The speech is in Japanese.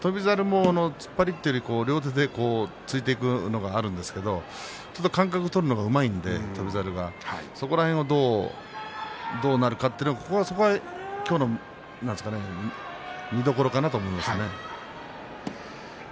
翔猿は突っ張りというよりも両手で突いてくることがあるんですが間隔を取るのがうまいので翔猿はその辺がどうなるかということが今日の見どころかなと思います。